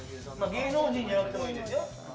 芸能人じゃなくてもいいですよ。